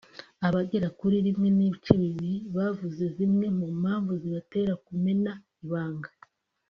Abagera kuri ½ bavuze zimwe mu mpamvu zibatera kumena ibanga